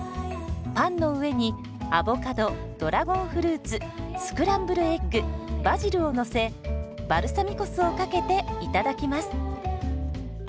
パンの上にアボカドドラゴンフルーツスクランブルエッグバジルをのせバルサミコ酢をかけていただきます。